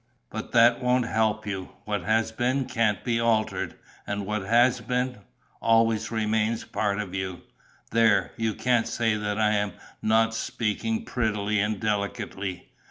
But that won't help you. What has been can't be altered; and what has been ... always remains part of you. There, you can't say that I am not speaking prettily and delicately.